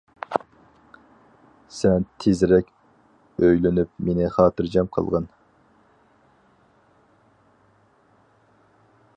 سەن تېزرەك ئۆيلىنىپ مېنى خاتىرجەم قىلغىن.